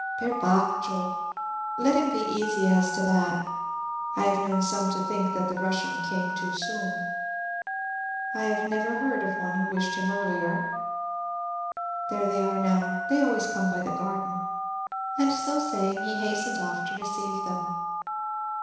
"Per Baccho! Let him be easy as to that. I have known some to think that the Russian came too soon. I never heard of one who wished him earlier! There they are now: they always come by the garden." And so saying, he hastened off to receive them.